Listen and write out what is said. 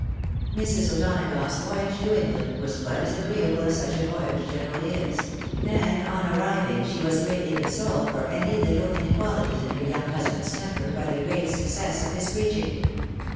• Mrs. O'Donagough's voyage to New England was quite as agreeable as such a voyage generally is ; and on arriving, she was greatly consoled for any little inequalities in her young husband's temper by the great success of his preaching.